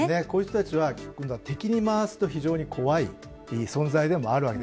こういう人たちは今度は敵に回すと非常に怖い存在でもある。